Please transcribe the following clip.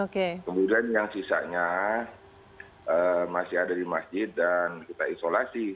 kemudian yang sisanya masih ada di masjid dan kita isolasi